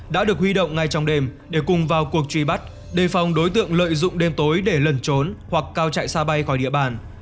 đã được huy động ngay trong đêm để cùng vào cuộc truy bắt đề phòng đối tượng lợi dụng đêm tối để lần trốn hoặc cao chạy xa bay khỏi địa bàn